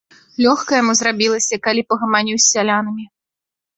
Лёгка яму зрабілася, калі пагаманіў з сялянамі.